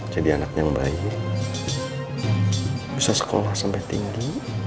jadi anak yang baik bisa sekolah sampai tinggi